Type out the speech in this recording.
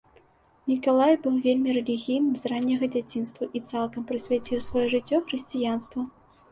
Мікалай быў вельмі рэлігійным з ранняга дзяцінства і цалкам прысвяціў сваё жыццё хрысціянству.